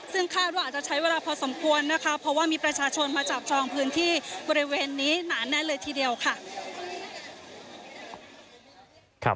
ซึ่งค่าอาจจะใช้เวลาพอสมควร